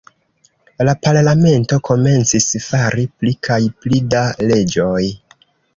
La parlamento komencis fari pli kaj pli da leĝoj.